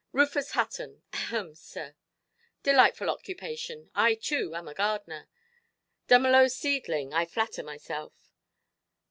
Rufus Hutton; ahem, sir! Delightful occupation! I, too, am a gardener. 'Dumelow Seedling', I flatter myself.